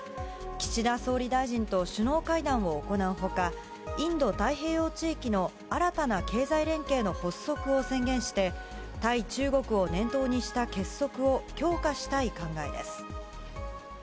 岸田総理大臣と首脳会談を行うほか、インド太平洋地域の新たな経済連携の発足を宣言して、対中国を念頭にした結束を強化したい考えです。